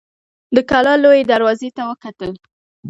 د کلا لويي دروازې ته يې وکتل.